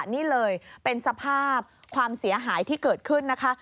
นี่เลยเป็นสภาพความเสียหายที่เกิดขึ้นนะคะ